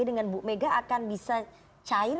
dengan bu mega akan bisa cair